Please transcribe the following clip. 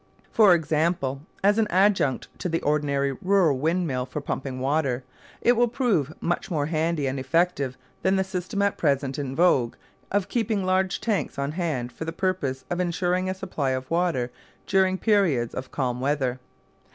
For example, as an adjunct to the ordinary rural windmill for pumping water, it will prove much more handy and effective than the system at present in vogue of keeping large tanks on hand for the purpose of ensuring a supply of water during periods of calm weather.